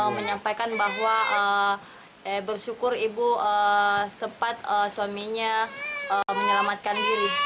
menyampaikan bahwa bersyukur ibu sempat suaminya menyelamatkan diri